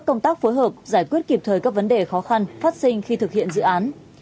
tăng cường hơn nữa công tác phối hợp giải quyết kịp thời các vấn đề khó khăn phát sinh khi thực hiện dự án